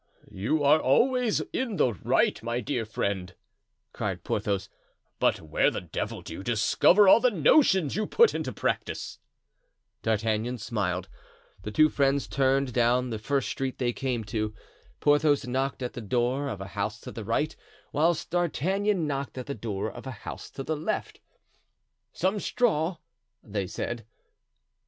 "You are always in the right, my dear friend," cried Porthos; "but where the devil do you discover all the notions you put into practice?" D'Artagnan smiled. The two friends turned down the first street they came to. Porthos knocked at the door of a house to the right, whilst D'Artagnan knocked at the door of a house to the left. "Some straw," they said.